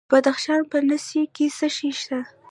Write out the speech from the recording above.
د بدخشان په نسي کې څه شی شته؟